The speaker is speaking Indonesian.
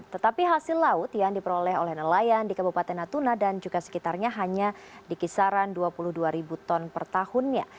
tetapi hasil laut yang diperoleh oleh nelayan di kabupaten natuna dan juga sekitarnya hanya di kisaran dua puluh dua ribu ton per tahunnya